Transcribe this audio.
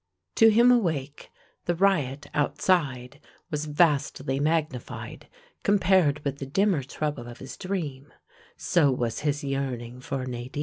To him awake the riot outside was vastly magnified compared with the dimmer trouble of his dream; so was his yearning for Nadine.